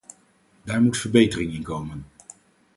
Daar moet verbetering in komen.